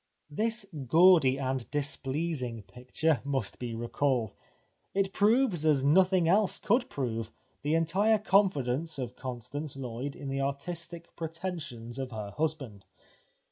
This gaudy and displeasing picture must be recalled. It proves as nothing else could prove the entire confidence of Constance Lloyd in the artistic pretensions of her husband.